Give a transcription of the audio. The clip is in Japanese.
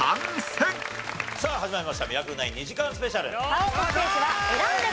さあ始まりました『ミラクル９』２時間スペシャル。